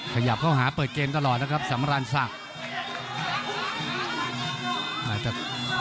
ขยับเข้าหาเปิดเกมตลอดนะครับสำราญศักดิ์